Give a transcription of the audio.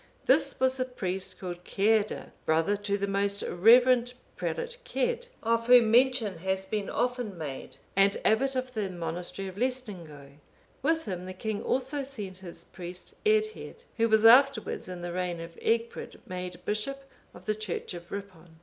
This was a priest called Ceadda,(496) brother to the most reverend prelate Cedd, of whom mention has been often made, and abbot of the monastery of Laestingaeu. With him the king also sent his priest Eadhaed,(497) who was afterwards, in the reign of Egfrid,(498) made bishop of the church of Ripon.